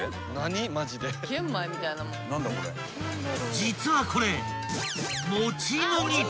［実はこれ］